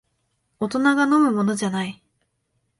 大人が飲むものじゃない